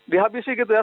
dihabisi gitu ya